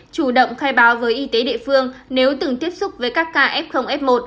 chủ động khai báo với y tế địa phương nếu từng tiếp xúc với các ca f f một